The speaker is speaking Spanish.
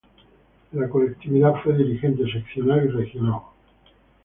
En la colectividad fue dirigente seccional y regional.